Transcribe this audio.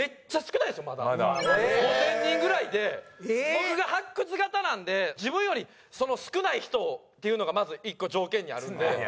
僕が発掘型なんで自分より少ない人っていうのがまず１個条件にあるんで。